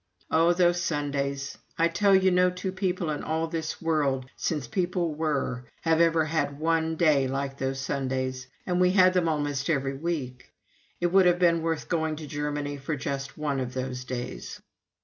Oh, those Sundays! I tell you no two people in all this world, since people were, have ever had one day like those Sundays. And we had them almost every week. It would have been worth going to Germany for just one of those days.